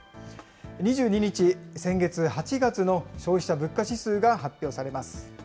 ２２日、先月・８月の消費者物価指数が発表されます。